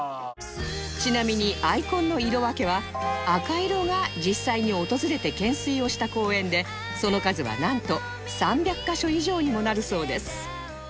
ちなみにアイコンの色分けは赤色が実際に訪れて懸垂をした公園でその数はなんと３００カ所以上にもなるそうです